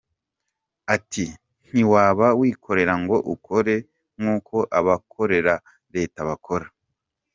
Ati “Ntiwaba wikorera ngo ukore nk’uko abakorera Leta bakora.